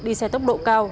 đi xe tốc độ cao